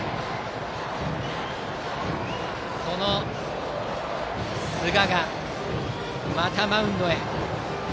この寿賀がまたマウンドへ。